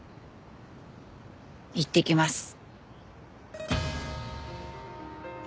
いってきます。